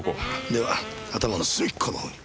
では頭の隅っこのほうに。